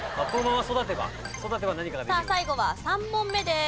さあ最後は３問目です。